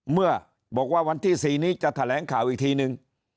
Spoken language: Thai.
เมื่อบอกว่าวันที่๔นี้จะแถลงข่าวอีกทีนึง